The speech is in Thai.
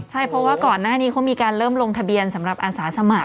ใช่เพราะว่าก่อนหน้านี้เขามีการเริ่มลงทะเบียนสำหรับอาสาสมัคร